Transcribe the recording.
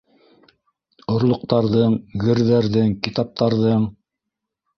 Орлоҡтарҙың, герҙәрҙең, китаптарҙың?